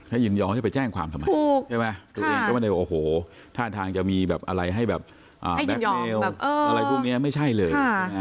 ถ้ายืนยอจะไปแจ้งความทำไมถ้าอาจทางจะมีแบบอะไรให้แบบแบคเมลอะไรพวกนี้ไม่ใช่เลย